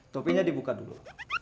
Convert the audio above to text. topinya dibuka dulu